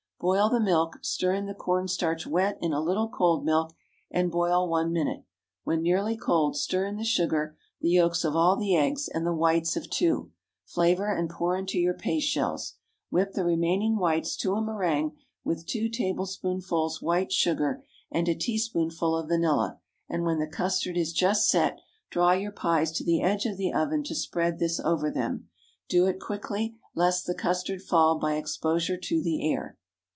Boil the milk, stir in the corn starch wet in a little cold milk, and boil one minute. When nearly cold, stir in the sugar, the yolks of all the eggs, and the whites of two; flavor, and pour into your paste shells. Whip the remaining whites to a méringue, with two tablespoonfuls white sugar and a teaspoonful of vanilla, and when the custard is just "set," draw your pies to the edge of the oven to spread this over them. Do it quickly, lest the custard fall by exposure to the air.